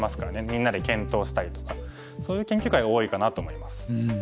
みんなで検討したりとかそういう研究会が多いかなと思います。